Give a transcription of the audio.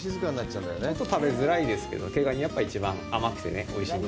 ちょっと食べづらいですけど毛ガニがやっぱり一番甘くておいしいんで。